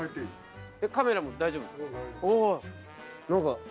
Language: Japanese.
カメラも大丈夫ですか？